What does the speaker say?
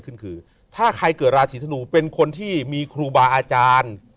คณะนี้ฝ่ายบูรุษอ่าบันเทิง